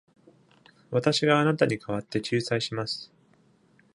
私があなたに代わって仲裁します。